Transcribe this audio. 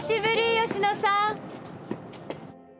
吉野さん。